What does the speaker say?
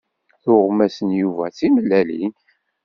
Tuɣmas n Yuba d timellalin.